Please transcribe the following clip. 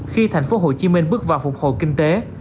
khi thành phố hồ chí minh bước vào phục hồi kinh tế